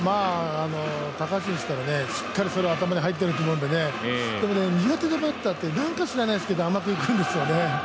高橋選手はしっかりそれは頭に入っていると思うんでね、でもね、苦手なバッターってなんか知らないけど甘くいくんですよね。